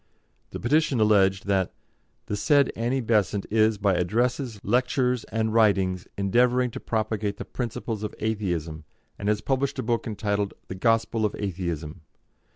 The petition alleged that, "The said Annie Besant is, by addresses, lectures, and writings, endeavouring to propagate the principles of Atheism, and has published a book entitled 'The Gospel of Atheism.'